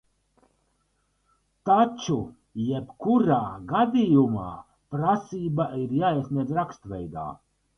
Taču jebkurā gadījumā prasība ir jāiesniedz rakstveidā.